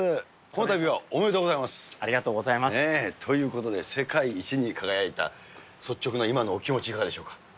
このたびは、おめでとうございまありがとうございます。ということで、世界一に輝いた率直な今のお気持ち、いかがでしょうか。